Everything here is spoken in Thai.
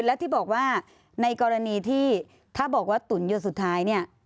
แล้วที่บอกว่าในกรณีที่ถ้าบอกว่าตุ๋นยนต์สุดท้ายเนี่ย